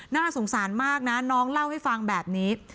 น่าสงสารมากนะน้องเล่าให้ฟังแบบนี้